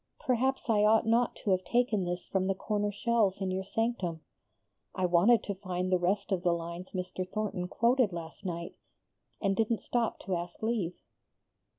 Perhaps I ought not to have taken this from the corner shelves in your sanctum? I wanted to find the rest of the lines Mr. Thornton quoted last night, and didn't stop to ask leave."